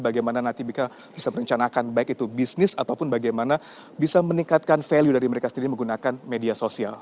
bagaimana nanti bika bisa merencanakan baik itu bisnis ataupun bagaimana bisa meningkatkan value dari mereka sendiri menggunakan media sosial